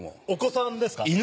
お子さんですか？